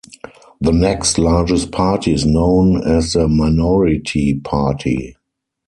The next-largest party is known as the minority party.